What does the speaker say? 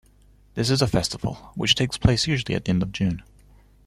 The is a festival, which takes place usually at the end of June.